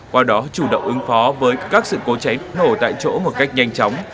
qua đó chủ động ứng phó với các sự cố cháy nổ tại chỗ một cách nhanh chóng